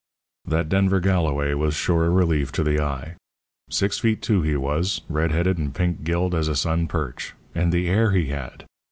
"That Denver Galloway was sure a relief to the eye. Six feet two he was, red headed and pink gilled as a sun perch. And the air he had!